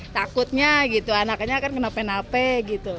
takutnya gitu anaknya akan kenapain napain gitu